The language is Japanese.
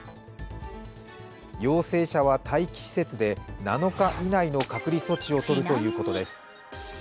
陽性者は待機施設で７日以内の隔離措置をとるということです。